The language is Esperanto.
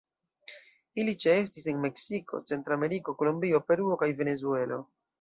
Ili ĉeestis en Meksiko, Centrameriko, Kolombio, Peruo kaj Venezuelo.